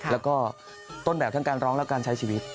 แล้วก็ต้นแบบทั้งการร้องและการใช้ชีวิต